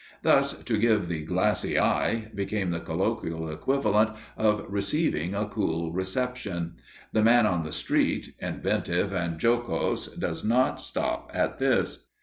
Thus, to give "the glassy eye" became the colloquial equivalent of receiving a cool reception. The man on the street, inventive and jocose, does not stop at this.